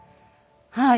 はい。